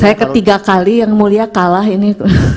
saya ketiga kali yang mulia kalah ini